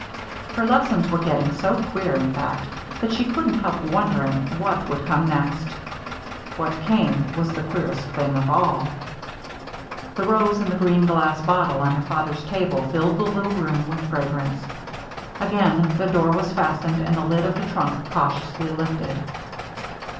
Her lessons were getting so queer, in fact, that she couldn't help wondering what would come next. What came was the queerest thing of all. The rose in the green glass bottle on her father's table filled the little room with fragrance. Again the door was fastened and the lid of the trunk cautiously lifted.